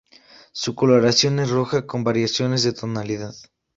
Su coloración es roja, con variaciones de tonalidad.